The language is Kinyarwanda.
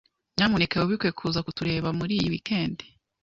Nyamuneka wibuke kuza kutureba muri iyi weekend.